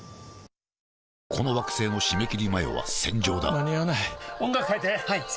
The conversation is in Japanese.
この惑星の締め切り前は戦場だ間に合わない音楽変えて！はいっ！